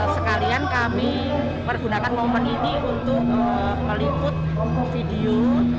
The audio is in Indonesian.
sekalian kami menggunakan momen ini untuk melikut video